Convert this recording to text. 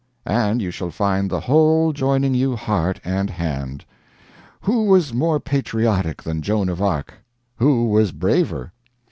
And you shall find the whole joining you heart and hand. Who was more patriotic than Joan of Arc? Who was braver?